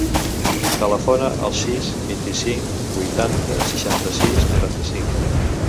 Telefona al sis, vint-i-cinc, vuitanta, seixanta-sis, noranta-cinc.